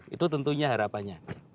itu tentunya harapannya